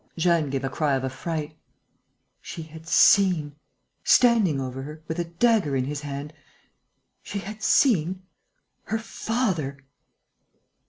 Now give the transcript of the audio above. Jeanne gave a cry of affright. She had seen standing over her, with a dagger in his hand she had seen ... her father!